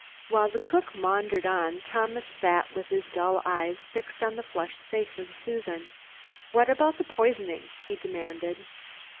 '" While the cook maundered on Thomas sat with his dull eyes fixed on the flushed face of Susan. "What about the poisoning?" he demanded.